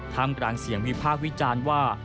ถ้ำกลางเสียงวิภาควิจารณ์ว่า